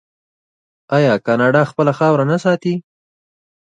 آیا کاناډا خپله خاوره نه ساتي؟